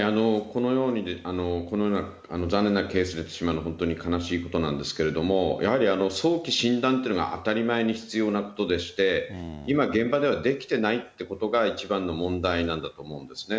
このような残念なケースが出てしまうのは本当に悲しいことなんですけれども、やはり早期診断というのが当たり前に必要なことでして、今、現場ではできてないということが一番の問題なんだと思うんですね。